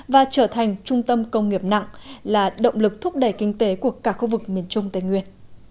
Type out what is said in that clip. và trở thành trung tâm công nghiệp nặng là động lực thúc đẩy kinh tế của cả khu vực miền trung tây nguyên